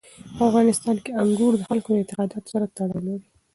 په افغانستان کې انګور د خلکو د اعتقاداتو سره تړاو لري.